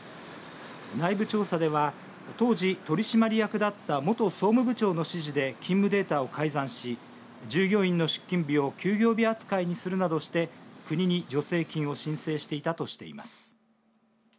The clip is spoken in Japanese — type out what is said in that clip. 内部調査では当時取締役だった元総務部長の指示で勤務データを改ざんし従業員の出勤日を休業日扱いにするなどして国に助成金を申請していたとしています。